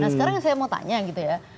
nah sekarang saya mau tanya gitu ya